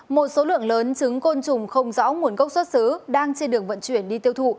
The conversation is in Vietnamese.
một số lượng lớn trứng côn trùng không rõ nguồn gốc xuất xứ đang trên đường vận chuyển đi tiêu thụ